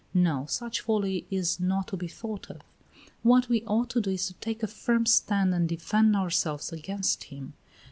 No; such folly is not to be thought of. What we ought to do is to take a firm stand and defend ourselves against him."